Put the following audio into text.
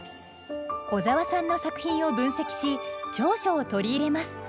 小沢さんの作品を分析し長所を取り入れます。